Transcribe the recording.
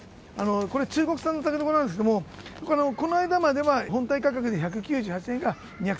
これ、中国産のタケノコなんですけど、この間までは本体価格で１９８円が２３８円。